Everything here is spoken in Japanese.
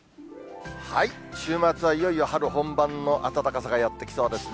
週末はいよいよ春本番の暖かさがやって来そうですね。